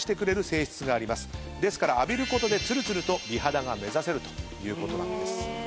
ですから浴びることでつるつると美肌が目指せるということなんです。